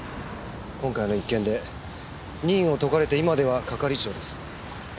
今回の一件で任を解かれて今では係長です。